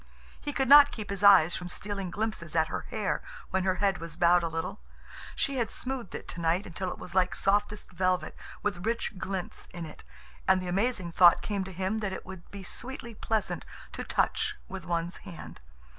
He could not keep his eyes from stealing glimpses at her hair when her head was bowed a little. She had smoothed it tonight until it was like softest velvet, with rich glints in it, and the amazing thought came to him that it would be sweetly pleasant to touch with one's hand.